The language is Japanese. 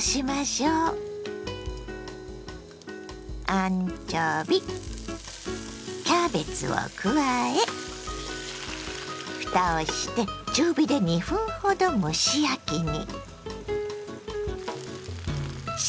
アンチョビキャベツを加えふたをして中火で２分ほど蒸し焼きに。